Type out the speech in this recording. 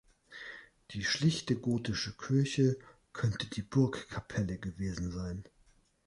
Die schlichte, gotische Kirche könnte die Burgkapelle gewesen sein.